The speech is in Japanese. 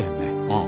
ああ。